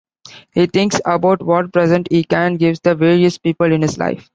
He thinks about what presents he can give the various people in his life.